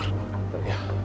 saya harap juga begitu